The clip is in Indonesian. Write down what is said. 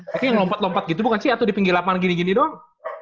tapi yang lompat lompat gitu bukan sih ya tuh di pinggi lapan gini gini doang